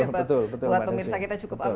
buat pemirsa kita cukup aman